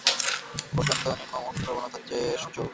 এরপর সূচক কমার হার কমলেও শেষ পর্যন্ত নিম্নমুখী প্রবণতায় থাকে সূচক।